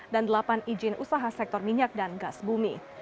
dan delapan izin usaha sektor minyak dan gas bumi